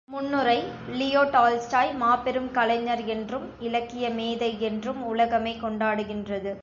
முன்னுரை Leo Tolstoy மாபெருங் கலைஞர் என்றும், இலக்கிய மேதை என்றும் உலகமே கொண்டாடுகின்றது.